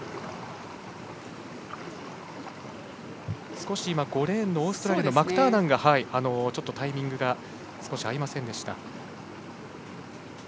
少し５レーンのオーストラリアのマクターナンがちょっとタイミングが合いませんでした。